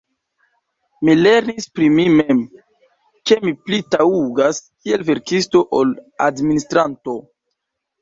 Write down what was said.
Mi lernis pri mi mem, ke mi pli taŭgas kiel verkisto ol administranto.